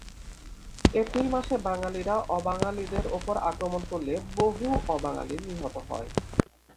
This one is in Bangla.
এপ্রিল মাসে বাঙালিরা অবাঙালিদের ওপর আক্রমণ করলে বহু অবাঙালি নিহত হয়।